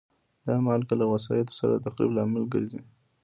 دا مالګه له وسایطو سره د تخریب لامل ګرځي.